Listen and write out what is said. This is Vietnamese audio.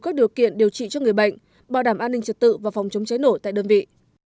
chứng minh trực tự và phòng chống chế nổi tại đơn vị